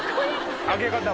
上げ方も。